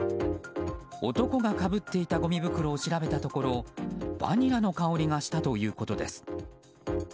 男がかぶっていたごみ袋を調べたところバニラの香りがしたということです。